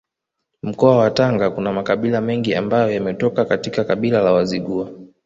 Mkoa wa Tanga kuna makabila mengi ambayo yametoka katika kabila la Wazigua